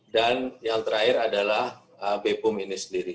dan yang terakhir adalah bpum ini sendiri